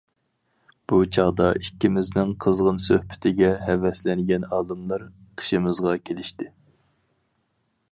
بۇ چاغدا، ئىككىمىزنىڭ قىزغىن سۆھبىتىگە ھەۋەسلەنگەن ئالىملار قېشىمىزغا كېلىشتى.